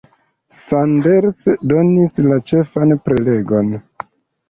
Sanders donis la ĉefan prelegon.